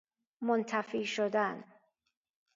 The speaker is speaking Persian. منطفی شدن